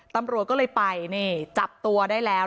ตำรวจก็เลยไปนี่จับตัวได้แล้ว